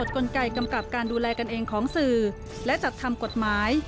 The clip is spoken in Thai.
กลไกกำกับการดูแลกันเองของสื่อและจัดทำกฎหมาย